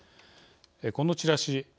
このチラシ。